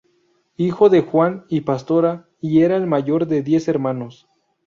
Hijo de Juan y Pastora y era el mayor de diez hermanos.